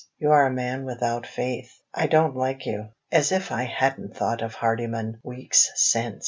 You are a man without faith; I don't like you. As if I hadn't thought of Hardyman weeks since!"